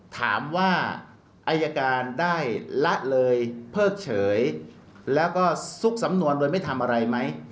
ถามว่าอายการได้ละเลยเพิกเฉยแล้วก็ซุกสำนวนโดยไม่ทำอะไรไหม